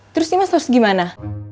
terus nih mas harus gimana